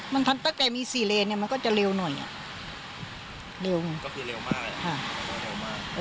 มันถ้าแกมีซีเลนี่มันก็จะเร็วหน่อยอ่ะเร็วมาก